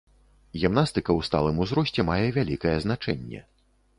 Гімнастыка ў сталым узросце мае вялікае значэнне.